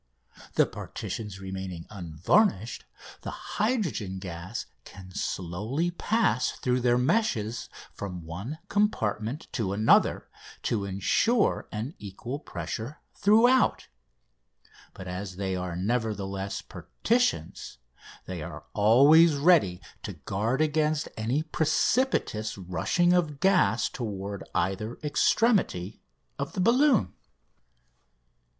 The partitions remaining unvarnished, the hydrogen gas can slowly pass through their meshes from one compartment to another to ensure an equal pressure throughout. But as they are, nevertheless, partitions, they are always ready to guard against any precipitous rushing of gas toward either extremity of the balloon.